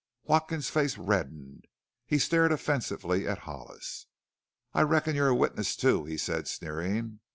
Watkins's face reddened. He stared offensively at Hollis. "I reckon you're a witness, too," he said, sneering.